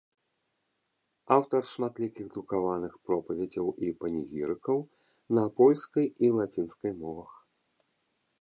Аўтар шматлікіх друкаваных пропаведзяў і панегірыкаў на польскай і лацінскай мовах.